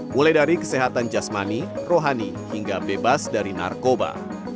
mulai dari kesehatan jasmani rohani hingga bebas dari narkoba